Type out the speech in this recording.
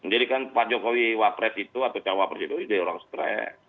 menjadikan pak jokowi wapres itu atau cawapres itu itu orang stress